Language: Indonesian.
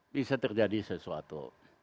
bisa terjadi sesuatu